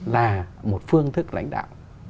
là một phương thức lãnh đạo